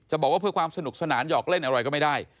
บอกว่าเพื่อความสนุกสนานหยอกเล่นอะไรก็ไม่ได้